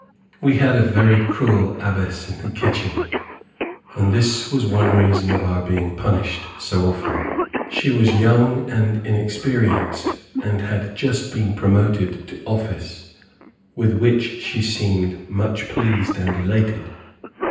We had a very cruel abbess in the kitchen, and this was one reason of our being punished so often. She was young and inexperienced, and had just been promoted to office, with which she seemed much pleased and elated.